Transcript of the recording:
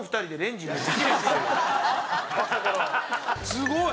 すごい！